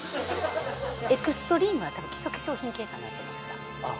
エクストリームはたぶん基礎化粧品系かなと思った。